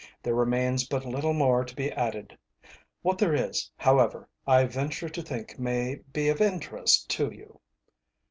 There remains but little more to be added. What there is, however, I venture to think may be of interest to you.